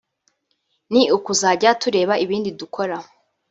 ni ukuzajya tureba ibindi dukora